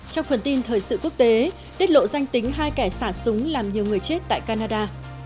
trong phần tin thời sự quốc tế tiết lộ danh tính hai kẻ xả súng làm nhiều người chết tại canada